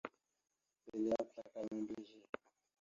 Mbelle apəslakala membreze.